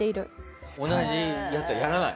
同じやつはやらない？